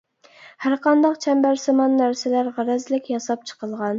ھەرقانداق چەمبەرسىمان نەرسىلەر غەرەزلىك ياساپ چىقىلغان.